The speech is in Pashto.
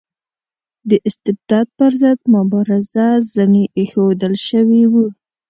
د استبداد پر ضد مبارزه زڼي ایښودل شوي وو.